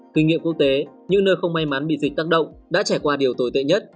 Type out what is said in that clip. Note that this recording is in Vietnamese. kinh nghiệm quốc tế những nơi không may mắn bị dịch tác động đã trải qua điều tồi tệ nhất